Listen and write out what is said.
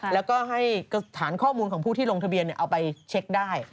แล้วก็ให้สถานข้อมูลของผู้ที่ลงทะเบียนเอาไปเช็คได้